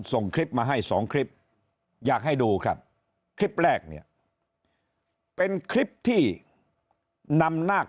ส่งคลิปมาให้สองคลิปอยากให้ดูครับคลิปแรกเนี่ยเป็นคลิปที่นำนาค